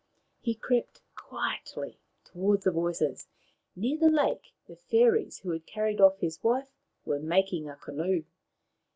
He crept quietly towards the voices. Near the lake the fairies who had carried off his wife were making a canoe.